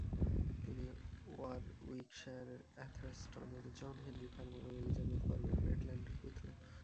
তিনি ওয়ারউইকশায়ারের অ্যাথারস্টনের John Henry Farmer ও Elizabeth Corbett ব্রেটল্যান্ডের পুত্র।